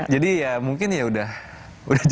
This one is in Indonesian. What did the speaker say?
jadi ya mungkin ya udah